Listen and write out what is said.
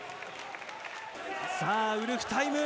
さぁウルフタイム！